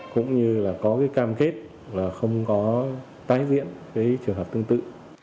cũng như có cam kết không có tái diễn trường hợp tương tự